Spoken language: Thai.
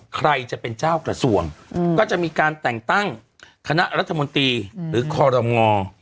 ใครจะเป็นเจ้ากระทรวงก็จะมีการแต่งตั้งคณะรัฐมนตรีหรือคอรมอ